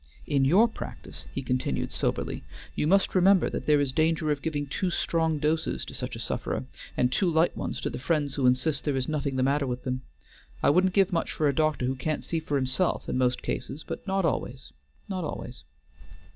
In your practice," he continued soberly, "you must remember that there is danger of giving too strong doses to such a sufferer, and too light ones to the friends who insist there is nothing the matter with them. I wouldn't give much for a doctor who can't see for himself in most cases, but not always, not always."